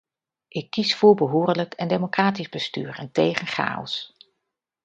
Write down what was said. Ik kies voor behoorlijk en democratisch bestuur en tegen chaos.